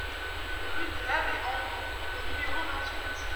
Rue de l'Abbé Angot au numéro vingt-huit